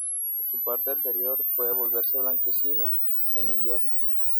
Su parte anterior puede volverse blanquecina en invierno.